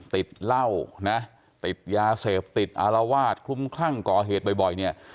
ติดเหล้านะติดยาเสพติดอารวาสคลุ้มคลั่งก่อเหตุบ่อยเนี่ย